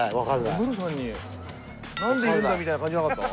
ムロさんに「何でいるんだ？」みたいな感じじゃなかった？